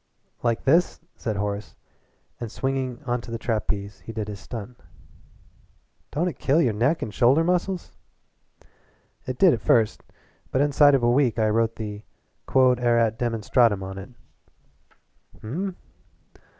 "Like this!" said Horace, and swinging onto the trapeze he did his stunt. "Don't it kill your neck an' shoulder muscles?" "It did at first, but inside of a week I wrote the QUOD ERAT DEMONSTRANDUM on it." "Hm!"